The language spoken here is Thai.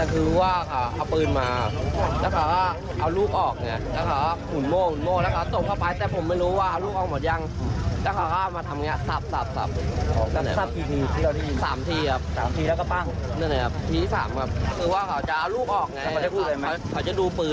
พอเอามาเล่นเลย